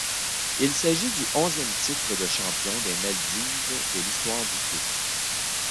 Il s'agit du onzième titre de champion des Maldives de l'histoire du club.